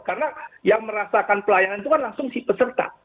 karena yang merasakan pelayanan itu kan langsung si peserta